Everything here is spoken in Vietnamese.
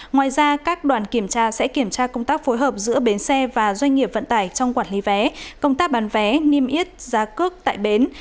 ngoài ra các đoàn kiểm tra sẽ kiểm tra công tác phối hợp giữa bến xe và doanh nghiệp vận tải trong quản lý vé công tác bán vé niêm yết giá cước tại bến